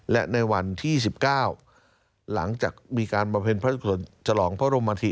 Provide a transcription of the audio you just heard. และในวันที่๒๙หลังจากมีการประเภทพระศักดิ์ส่วนจรองพระบรมมัธิ